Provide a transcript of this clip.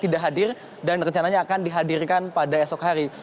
dan rencananya akan dihadirkan pada esok hari